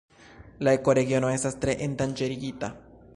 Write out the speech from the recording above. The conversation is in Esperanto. La ekoregiono estas tre endanĝerigita.